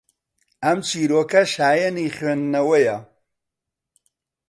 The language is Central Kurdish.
ئەم چیرۆکە شایەنی خوێندنەوەیە